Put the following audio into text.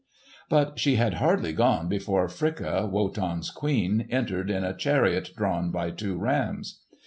But she had hardly gone before Fricka, Wotan's queen, entered in a chariot drawn by two rams.